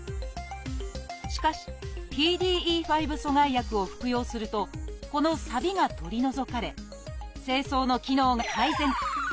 しかしＰＤＥ５阻害薬を服用するとこのサビが取り除かれ精巣の機能が改善。